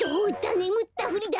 ねむったふりだ！